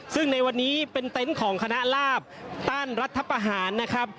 ซึ่งในวันนี้เป็นเต็นต์ของคณะลาบต้านรัฐประหารนะครับ